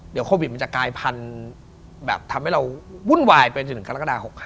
เดี๋ยวโควิดมันจะกลายพันธุ์แบบทำให้เราวุ่นวายไปจนถึงกรกฎา๖๕